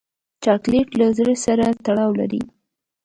چاکلېټ له زړه سره تړاو لري.